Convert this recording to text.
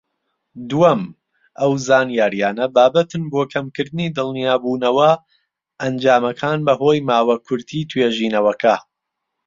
دووەم، ئەو زانیاریانە بابەتن بۆ کەمکردنی دڵنیابوونەوە ئەنجامەکان بەهۆی ماوە کورتی توێژینەوەکە.